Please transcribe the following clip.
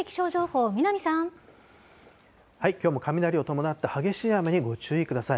きょうも雷を伴った激しい雨にご注意ください。